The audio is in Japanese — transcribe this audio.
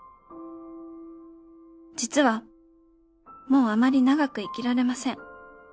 「実はもうあまり長く生きられません」